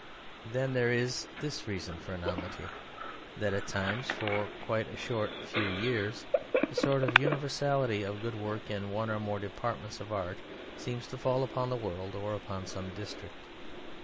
Then there is this reason for anonymity, that at times for quite a short few years a sort of universality of good work in one or more departments of art seems to fall upon the world or upon some district.